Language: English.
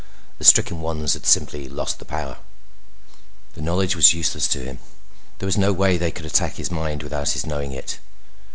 The stricken ones had simply lost the power. The knowledge was useless to him. There was no way they could attack his mind without his knowing it.